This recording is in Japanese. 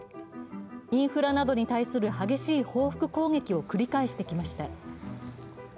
インフラなどに対する激しい報復攻撃を繰り返してきました。